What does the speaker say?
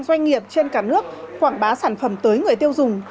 doanh nghiệp trên cả nước quảng bá sản phẩm tới người tiêu dùng